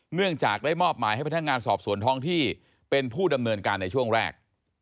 เนื่องจากได้มอบหมายให้พนักงานสอบสวนท้องที่เป็นผู้ดำเนินการในช่วงแรก